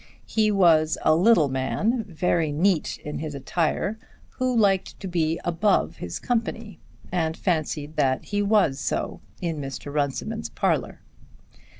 He was a little man, very neat in his attire, who liked to be above his company, and fancied that he was so in Mr. Runciman's parlour.